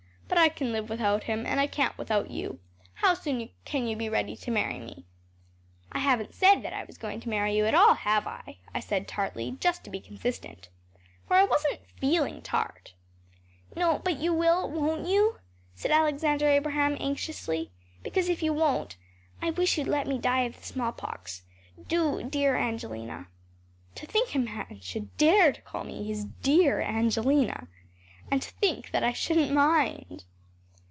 But I can live without him, and I can’t without you. How soon can you be ready to marry me?‚ÄĚ “I haven’t said that I was going to marry you at all, have I?‚ÄĚ I said tartly, just to be consistent. For I wasn’t feeling tart. “No, but you will, won’t you?‚ÄĚ said Alexander Abraham anxiously. “Because if you won’t, I wish you’d let me die of the smallpox. Do, dear Angelina.‚ÄĚ To think that a man should dare to call me his “dear Angelina!‚ÄĚ And to think that I shouldn’t mind!